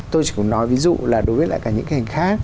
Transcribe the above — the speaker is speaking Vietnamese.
tôi chỉ muốn nói ví dụ là đối với lại cả những cái hình khác